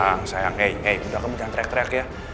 sayang sayang eh eh mudah kamu jangan trek trek ya